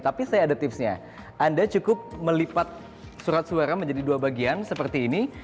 tapi saya ada tipsnya anda cukup melipat surat suara menjadi dua bagian seperti ini